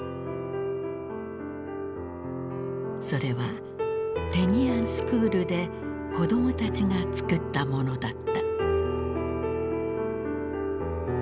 それはテニアンスクールで子供たちが作ったものだった。